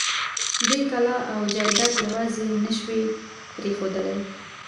دوی کلا او جايداد يواځې نه شوی پرېښودلای.